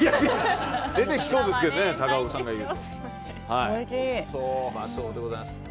出てきそうですけどね。